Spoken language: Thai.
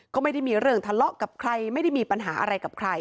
ก็ไม่ได้มีเรื่องทะเลาะกับใครไม่ได้มีปัญหาอะไรกับใคร